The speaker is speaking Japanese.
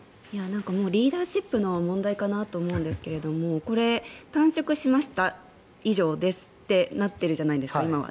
リーダーシップの問題かなと思うんですがこれ、短縮しました以上ですってなってるじゃないですか今は。